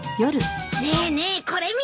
ねえねえこれ見てよ。